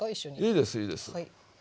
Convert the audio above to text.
いいですいいです。